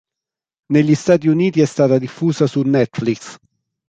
Negli Stati Uniti è stata diffusa su Netflix.